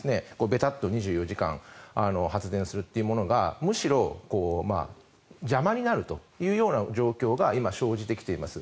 べたっと２４時間発電するというものがむしろ邪魔になるという状況が今、生じてきています。